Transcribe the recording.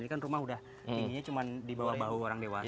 ini kan rumah udah tingginya cuma di bawah bahu orang dewasa